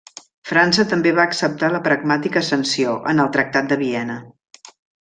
França també va acceptar la Pragmàtica Sanció en el Tractat de Viena.